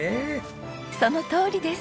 そのとおりです！